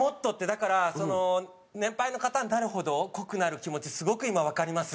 だから年配の方になるほど濃くなる気持ちすごく今わかります。